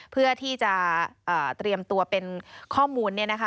เพื่อที่จะเตรียมตัวเป็นข้อมูลเนี่ยนะคะ